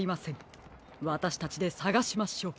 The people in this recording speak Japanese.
わたしたちでさがしましょう。